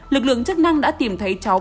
lực lượng chức năng đã tìm thấy cháu pgb